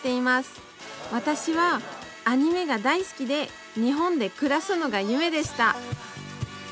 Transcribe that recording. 私はアニメが大好きで日本で暮らすのが夢でした